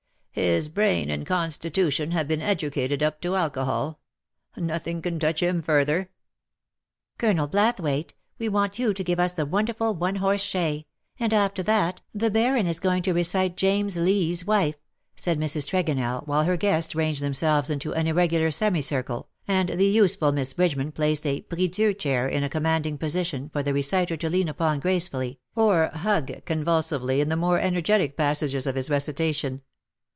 His brain and constitution have been educated up to alcohol. Nothing can touch him further." " Colonel Blathwayt, we want you to give us the ' Wonderful One Horse Shay/ and after that, the Baron is going to recite ^ James Lee^s Wife/ said Mrs. Tregonell, while her guests ranged themselves into an irregular semicircle, and the useful Miss Bridge man placed a pyne dieu chair in a commanding position for the reciter to lean upon gracefully, or hug convulsively in the more energetic passages of his recitation.